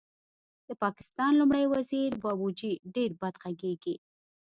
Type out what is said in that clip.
د پاکستان لومړی وزیر بابوجي ډېر بد غږېږي